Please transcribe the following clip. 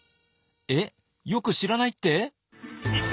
えっよく知らないって？